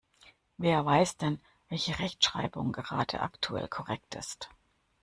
Wer weiß denn, welche Rechtschreibung gerade aktuell korrekt ist?